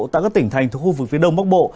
tại các tỉnh thành thuộc khu vực phía đông bắc bộ